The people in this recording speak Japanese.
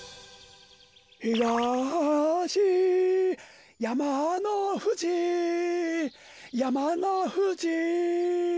ひがしやまのふじやまのふじ。